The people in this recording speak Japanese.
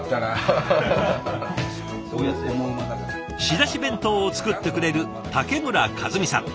仕出し弁当を作ってくれる竹村和巳さん。